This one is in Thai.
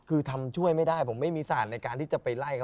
คือทำช่วยไม่ได้ผมไม่มีศาสตร์ในการที่จะไปไล่เขา